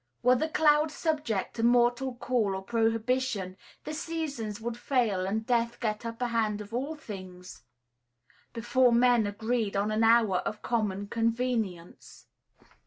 Were the clouds subject to mortal call or prohibition, the seasons would fail and death get upper hand of all things before men agreed on an hour of common convenience.